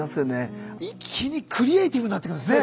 一気にクリエーティブになってくるんですね。